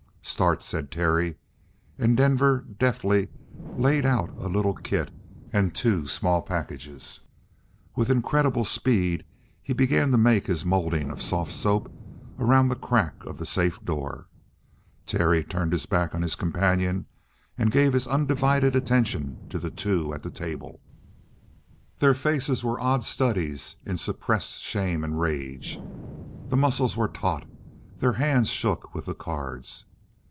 "Start!" said Terry, and Denver deftly laid out a little kit and two small packages. With incredible speed he began to make his molding of soft soap around the crack of the safe door. Terry turned his back on his companion and gave his undivided attention to the two at the table. Their faces were odd studies in suppressed shame and rage. The muscles were taut; their hands shook with the cards.